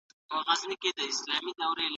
موږ باید د خپلو تېروتنو اعتراف وکړو.